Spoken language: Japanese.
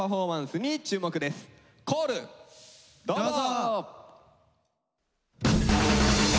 どうぞ！